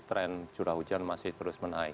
tren curah hujan masih terus menaik